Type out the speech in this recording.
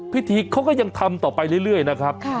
พิธีเขาก็ยังทำต่อไปเรื่อยนะครับ